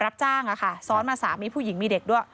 รับจ้างซ้อนมาสามีผู้หญิงมีเด็กด้วย